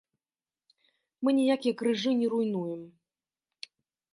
Мы ніякія крыжы не руйнуем.